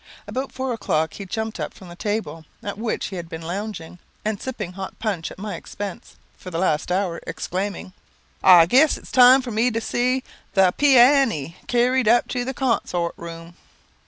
About four o'clock he jumped up from the table, at which he had been lounging and sipping hot punch at my expense for the last hour, exclaiming "I guess it's time for me to see the pee a ne carried up to the con sort room."